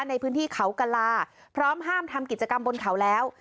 ในพื้นที่เขากลาพร้อมห้ามทำกิจกรรมบนเขาแล้ว